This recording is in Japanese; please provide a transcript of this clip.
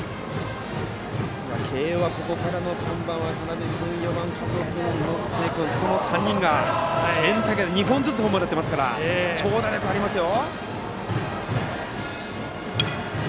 慶応はここから３番の渡邉君４番の加藤君５番の延末君この３人が県大会で２本ずつホームランを打っていますから長打力ありますよ。